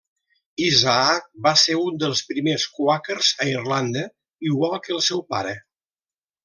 Isaac va ser un dels primers quàquers a Irlanda, igual que el seu pare.